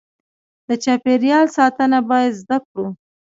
د چاپیریال ساتنه باید زده کړو.